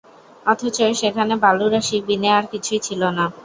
অথচ সেখানে বালুরাশি বিনে আর কিছুই ছিল না।